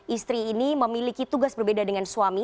istri ini memiliki tugas berbeda dengan suami